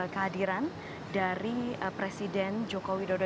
kehadiran dari presiden joko widodo